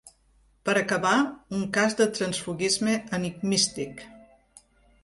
Per acabar, un cas de transfuguisme enigmístic.